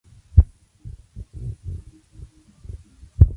Posterior a ello, Maly le pidió disculpas en el mismo programa de televisión.